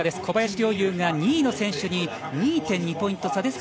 小林陵侑が２位の選手に２．２ポイント差。